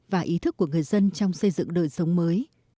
và ý thức của người dân trong xây dựng đời sống mới